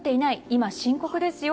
今深刻ですよ